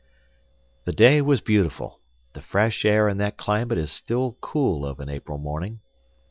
The day was beautiful, the fresh air in that climate is still cool of an April morning.